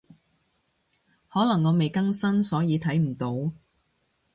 可能我未更新，所以睇唔到